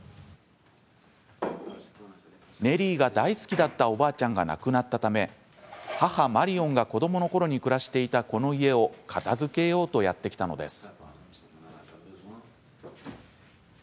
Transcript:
ネリーが大好きだったおばあちゃんが亡くなったため母、マリオンが子どものころに暮らしていたこの家を片づけようとやって来たのです。